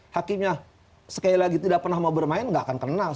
hakimnya sekali lagi tidak pernah mau bermain nggak akan kena